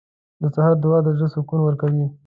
• د سهار دعا د زړه سکون ورکوي.